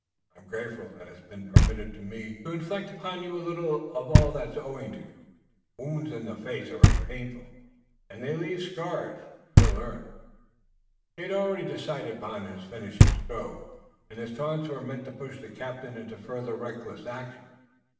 I'm grateful that it's been permitted to me to inflict upon you a little of all that's owing to you. Wounds in the face are very painful and they leave scars, as you'll learn." He had already decided upon his finishing stroke, and his taunts were meant to push the captain into further reckless action.